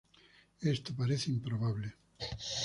Esto parece improbable.